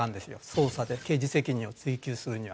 捜査で刑事責任を追及するには。